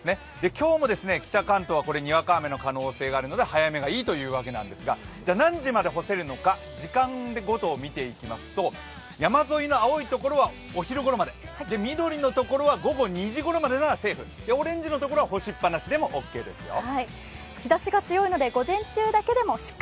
今日も北関東はにわか雨の可能性があるので早めがいいというわけなんですがじゃ、何時まで干せるのか、時間ごとに見ていきますと山沿いの青いところはお昼ごろまで緑のところは午後２時ごろまでならセーフ、オレンジのところは干しっぱなしオッケーですよ。